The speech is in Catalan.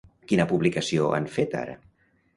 Quina publicació han fet ara?